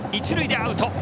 一塁でアウト。